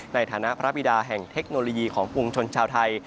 ในฐานะพระบิดาแห่งเทคโนโลยีของปวงชนชาวไทย